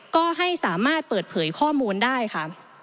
ก็ให้สามารถเปิดเผยข้อมูลได้ค่ะ